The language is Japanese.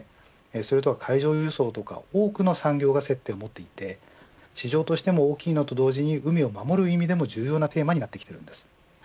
海上輸送とか多くの産業が接点を持っていて市場としても大きいと同時に海を守るという点でも重要なテーマになっています。